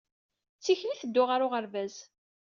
D tikli i tedduɣ ɣer uɣerbaz